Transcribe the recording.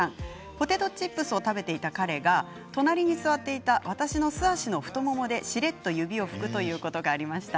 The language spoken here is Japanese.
ポテトチップスを食べていた彼が隣に座っていた私の素足の太ももでしれっと指を拭くということがありました。